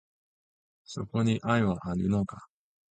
そこに愛はあるのか